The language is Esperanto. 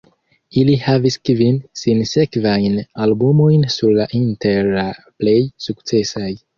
Ili havis kvin sinsekvajn albumojn sur la inter la plej sukcesaj.